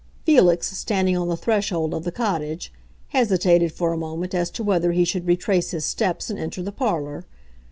Felix, standing on the threshold of the cottage, hesitated for a moment as to whether he should retrace his steps and enter the parlor.